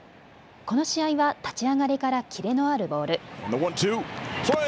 この試合は立ち上がりからきれのあるボール。